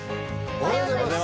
おはようございます。